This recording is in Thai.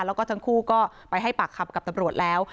แล้วก็ทั้งคู่ก็ไปให้ปากคำกับตำรวจแล้ว